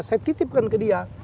saya titipkan ke dia